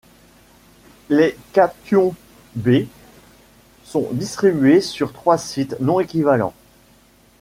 Les cations B sont distribués sur trois sites non-équivalents.